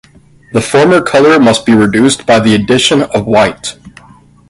The former color must be reduced by the addition of white.